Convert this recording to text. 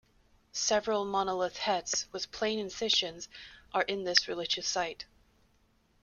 Several monolith heads with plain incisions are in this religious site.